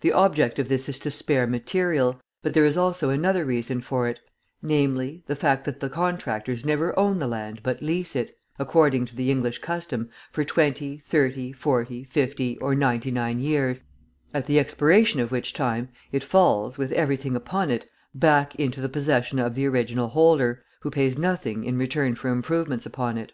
The object of this is to spare material, but there is also another reason for it; namely, the fact that the contractors never own the land but lease it, according to the English custom, for twenty, thirty, forty, fifty, or ninety nine years, at the expiration of which time it falls, with everything upon it, back into the possession of the original holder, who pays nothing in return for improvements upon it.